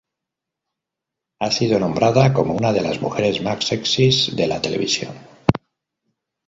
Ha sido nombrada como una de las mujeres más sexys de la televisión.